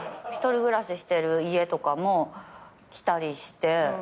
１人暮らししてる家とかも来たりして。